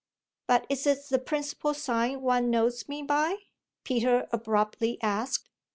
But is it the principal sign one knows me by?" Peter abruptly asked.